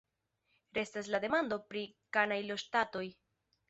Restas la demando pri kanajloŝtatoj.